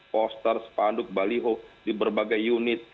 poster spanduk baliho di berbagai unit